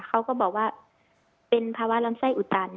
เขาก็บอกว่าเป็นภาวะลำไส้อุดตัน